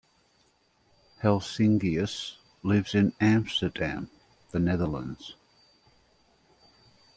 Helsingius lives in Amsterdam, the Netherlands.